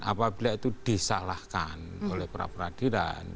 apabila itu disalahkan oleh pra peradilan